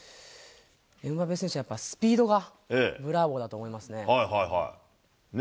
エムバペ選手はやっぱ、スピードがブラボーだと思いますね。